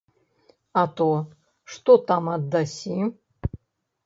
А то, што там аддасі!